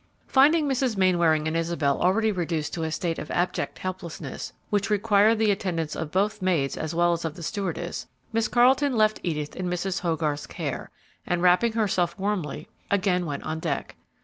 Finding Mrs. Mainwaring and Isabel already reduced to a state of abject helplessness which required the attendance of both maids as well as of the stewardess, Miss Carleton left Edith in Mrs. Hogarth's care, and, wrapping herself warmly, again went on deck.